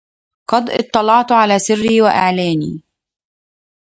قد اطلعت على سري وإعلاني